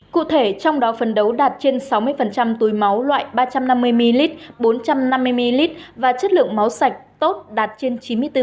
cụ thể trong đó phấn đấu đạt trên sáu mươi túi máu loại ba trăm năm mươi ml bốn trăm năm mươi ml và chất lượng máu sạch tốt đạt trên chín mươi bốn